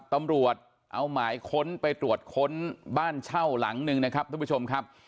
ตำรวจเอาหมายค้นไปตรวจค้นบ้านเช่าหลังหนึ่งนะครับทุกผู้ชมครับ